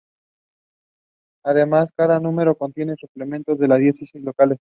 Además cada número contiene suplementos de las diócesis locales.